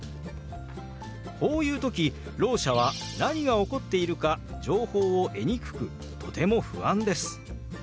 こういう時ろう者は何が起こっているか情報を得にくくとても不安です。